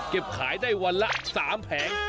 เก็บไข่ได้วันละ๓แผง